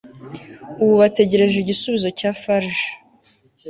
ubu bategereje igisubizo cya farg